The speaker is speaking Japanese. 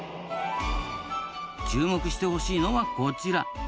注目してほしいのがこちら。